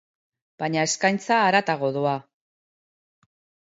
Baina eskaintza haratago doa.